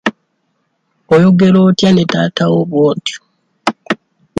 Oyogera otya ne taata wo bw'otyo?